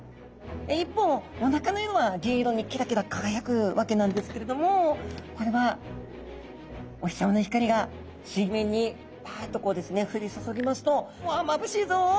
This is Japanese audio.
一方おなかの色は銀色にキラキラ輝くわけなんですけれどもこれはお日さまの光が水面にパッとこうですね降り注ぎますとうわまぶしいぞっと。